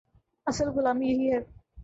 اصل غلامی یہی ہے۔